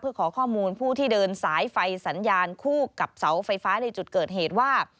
เพื่อขอข้อมูลผู้ที่เดินสายไฟสัญญาณคู่กับเสาไฟฟ้าในจุดเกิดเหตุว่า